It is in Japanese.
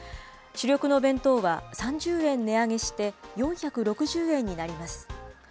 主力の弁当は３０円値上げして、４６０円になります。